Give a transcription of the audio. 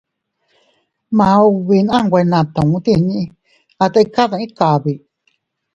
Maubine a nwe natu tinni, a tika dii kabi.